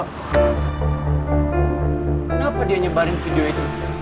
kenapa dia nyebarin video itu